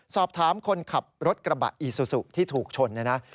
สอบถามคนขับรถกระบะอีซูซุที่ถูกชนเนี่ยนะ